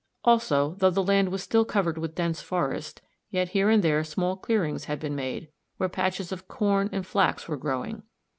Also, though the land was still covered with dense forests, yet here and there small clearings had been made, where patches of corn and flax were growing.